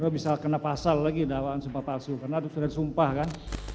bisa kena pasal lagi dakwaan sumpah palsu karena sudah disumpah kan